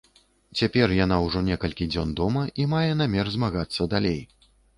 Цяпер яна ўжо некалькі дзён дома і мае намер змагацца далей.